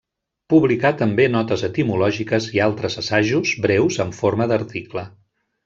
Publicà també notes etimològiques i altres assajos breus en forma d'article.